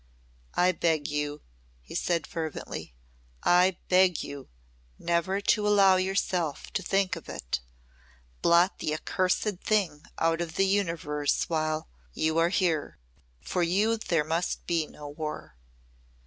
"I beg you," he said fervently, "I beg you never to allow yourself to think of it. Blot the accursed thing out of the Universe while you are here. For you there must be no war."